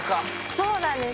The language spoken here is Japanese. そうなんです。